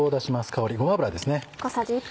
香りごま油ですね。